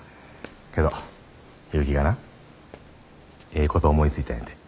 けど結城がなええこと思いついたんやて。